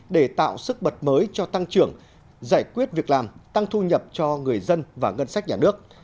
để tạo sức bật mới cho tăng trưởng giải quyết việc làm tăng thu nhập cho người dân và ngân sách nhà nước